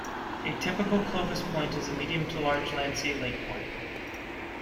A typical Clovis point is a medium to large lanceolate point.